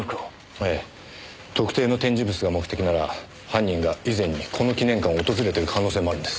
ええ特定の展示物が目的なら犯人が以前にこの記念館を訪れてる可能性もあるんです。